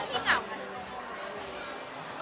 อุโมกลับเนี่ย